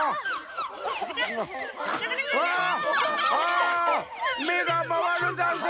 あああああめがまわるざんす。